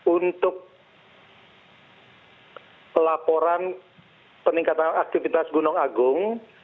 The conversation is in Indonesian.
untuk laporan peningkatan aktivitas gunung agung